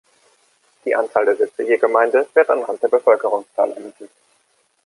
Die Anzahl der Sitze je Gemeinde wird anhand der Bevölkerungszahl ermittelt.